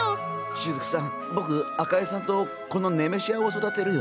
しずくさん僕赤井さんとこのネメシアを育てるよ。